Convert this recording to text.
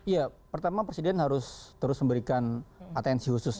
ya pertama presiden harus terus memberikan atensi khusus